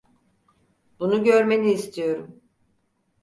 Bunu görmeni istiyorum.